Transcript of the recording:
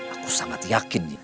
aku sangat yakinnya